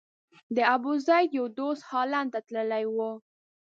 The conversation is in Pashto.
د ابوزید یو دوست هالند ته تللی و.